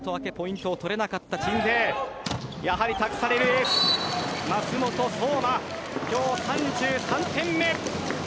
やはり託されるエース・舛本颯真今日３３点目。